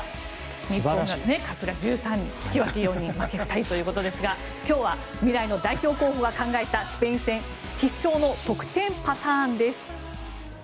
日本が勝つが１３人引き分け４人負け２人ということですが今日は未来の代表候補が考えたスペイン戦必勝の得点パターンです。